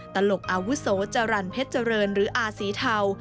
ตลกอาวุศว์จารัญเพชรเจริญหรืออศรีเทา